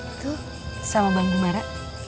itu sama bang bumara